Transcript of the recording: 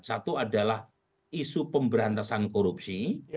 satu adalah isu pemberantasan korupsi